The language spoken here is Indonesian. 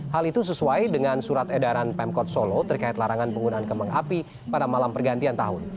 hal itu sesuai dengan surat edaran pemkot solo terkait larangan penggunaan kembang api pada malam pergantian tahun